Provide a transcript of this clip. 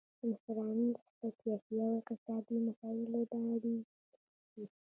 کنفرانس په سیاسي او اقتصادي مسایلو دایریږي.